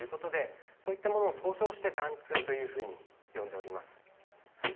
そういったものを総称して緞通というふうに呼んでおります。